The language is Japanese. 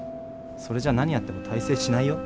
それじゃ何やっても大成しないよ。